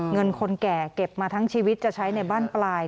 คนแก่เก็บมาทั้งชีวิตจะใช้ในบ้านปลาย